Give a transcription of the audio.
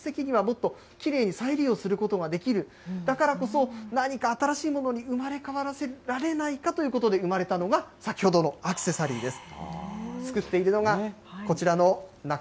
ただ、これ本当は技術的にはもっときれいに再利用することができる、だからこそ、何か新しいものに生まれ変わらせられないかということで、生まれたのが先ほどのアクセサリーです。